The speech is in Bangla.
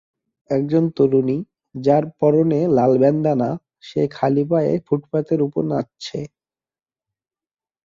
একজন তরুণী, যার পরনে লাল ব্যান্ডানা, সে খালি পায়ে ফুটপাতের উপর নাচছে।